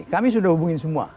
kami sudah hubungin semua